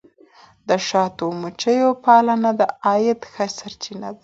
د شاتو مچیو پالنه د عاید ښه سرچینه ده.